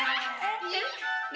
nih taruhnya kayak gini deh